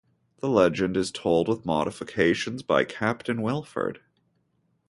The legend is told with modifications by Captain Wilford.